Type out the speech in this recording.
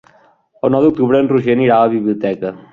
El nou d'octubre en Roger anirà a la biblioteca.